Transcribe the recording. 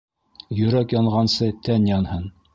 - Йөрәк янғансы, тән янһын!